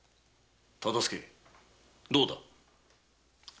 忠相どうだ？はあ。